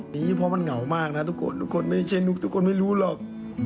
ดีเพราะมันเหงามากนะทุกคนทุกคนในเช่นทุกคนไม่รู้หรอก